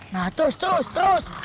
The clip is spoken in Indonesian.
nah terus terus terus